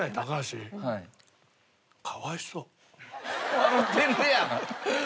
かわいそう。